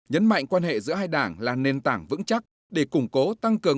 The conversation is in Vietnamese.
nhấn mạnh quan hệ giữa hai đảng là nền tảng vững chắc để củng cố tăng cường